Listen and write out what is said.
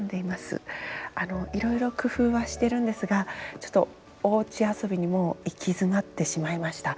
あのいろいろ工夫はしてるんですがちょっとおうち遊びにもう行き詰まってしまいました。